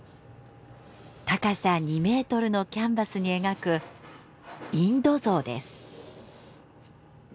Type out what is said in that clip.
高さ２ｍのキャンバスに描くインドゾウです。